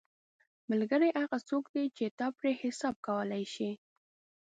ملګری هغه څوک دی چې ته پرې حساب کولی شې